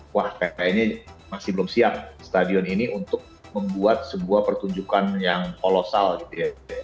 wah kayaknya masih belum siap stadion ini untuk membuat sebuah pertunjukan yang kolosal gitu ya